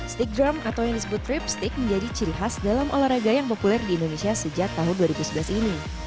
stick drum atau yang disebut trip stick menjadi ciri khas dalam olahraga yang populer di indonesia sejak tahun dua ribu sebelas ini